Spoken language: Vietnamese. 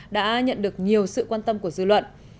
đã nhận được nhiều sự quan tâm của dư luận